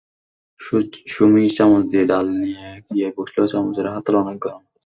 সুমি চামচ দিয়ে ডাল নিতে গিয়ে বুঝল চামচের হাতল অনেক গরম।